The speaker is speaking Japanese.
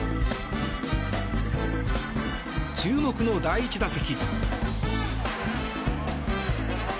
注目の第１打席。